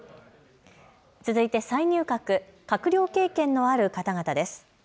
続いて再入閣、閣僚経験のある方々です。